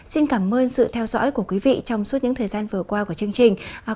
xin cảm ơn sự theo dõi của quý vị trong suốt những thời gian vừa qua của chương trình